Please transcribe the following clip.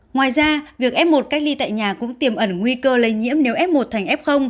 ngoài ra việc f một cách ly tại nhà cũng tiềm ẩn nguy cơ lây nhiễm nếu f một thành f